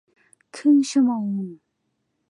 ครึ่งชั่วโมง